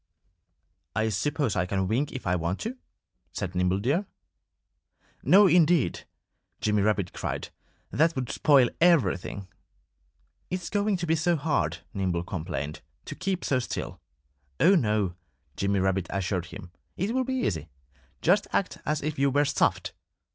"I suppose I can wink if I want to," said Nimble Deer. "No, indeed!" Jimmy Rabbit cried. "That would spoil everything." "It's going to be hard," Nimble complained, "to keep so still." "Oh, no!" Jimmy Rabbit assured him. "It will be easy. Just act as if you were stuffed!"